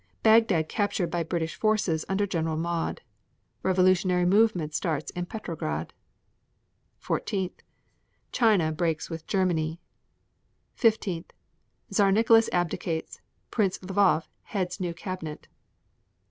Bagdad captured by British forces under Gen. Maude. 11. Revolutionary movement starts in Petrograd. 14. China breaks with Germany. 15. Czar Nicholas abdicates. Prince Lvoff heads new cabinet.